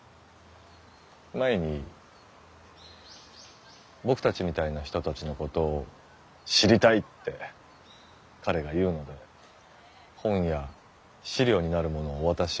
前に僕たちみたいな人たちのことを知りたいって彼が言うので本や資料になるものをお渡ししました。